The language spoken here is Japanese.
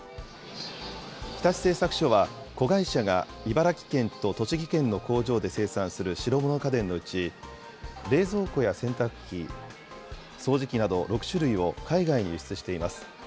日立製作所は子会社が茨城県と栃木県の工場で生産する白物家電のうち、冷蔵庫や洗濯機、掃除機など６種類を海外に輸出しています。